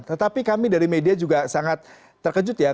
tetapi kami dari media juga sangat terkejut ya